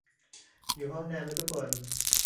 อยู่ห้องน้ำนะทุกคน